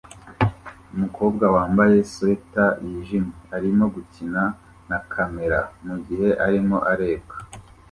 Umukobwa wambaye swater yijimye arimo gukina na kamera mugihe arimo arebwa